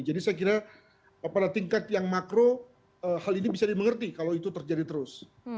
jadi saya kira pada tingkat yang makro hal ini bisa dimengerti kalau itu terjadi terus